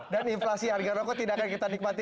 dan inflasi harga rokok tidak akan kita nikmati